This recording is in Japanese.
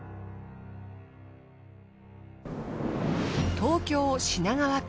東京品川区。